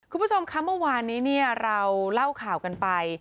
คุณผู้ชมคะเมื่อวานนี้เราเล่าข่าวกันไป